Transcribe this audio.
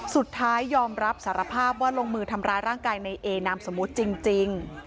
สุดท้ายยอมรับสารภาพว่าลงมือทำร้ายร่างกายในเอนามสมมุติจริง